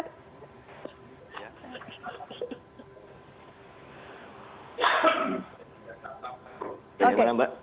ini di mana mbak